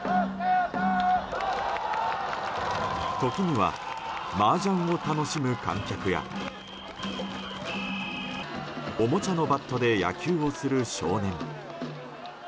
時にはマージャンを楽しむ観客やおもちゃのバットで野球をする少年。